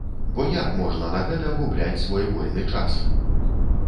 Бо як можна на гэта губляць свой вольны час?